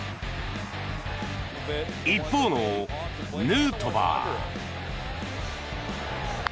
一方のヌートバー。